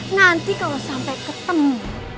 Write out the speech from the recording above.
nanti kalau sampai ketemu